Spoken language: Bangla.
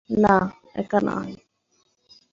না, একা নয়।